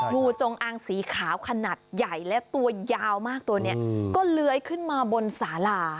งูจงอางสีขาวขนาดใหญ่และตัวยาวมากตัวนี้ก็เลื้อยขึ้นมาบนสารา